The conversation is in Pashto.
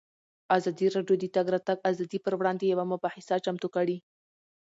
ازادي راډیو د د تګ راتګ ازادي پر وړاندې یوه مباحثه چمتو کړې.